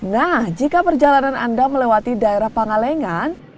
nah jika perjalanan anda melewati daerah pangalengan